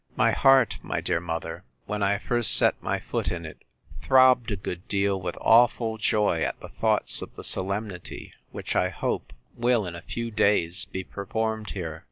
My heart, my dear mother, when I first set my foot in it, throbbed a good deal, with awful joy, at the thoughts of the solemnity, which, I hope, will in a few days be performed here.